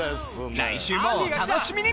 来週もお楽しみに！